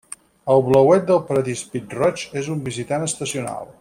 El Blauet del paradís pit-roig és un visitant estacional.